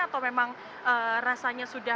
atau memang rasanya sudah